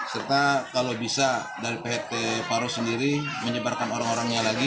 serta kalau bisa dari pt paro sendiri menyebarkan orang orangnya lagi